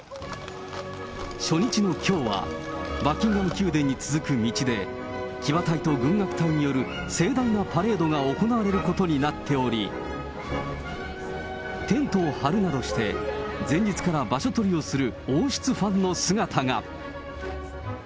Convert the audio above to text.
初日のきょうは、バッキンガム宮殿に続く道で、騎馬隊と軍楽隊による盛大なパレードが行われることになっており、テントを張るなどして、前日から場所取りをする王室ファンの姿が。